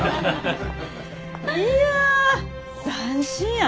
いや斬新やな。